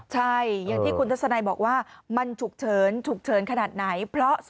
ใช่อย่างที่คุณทัศนัยบอกว่ามันฉุกเฉินฉุกเฉินขนาดไหน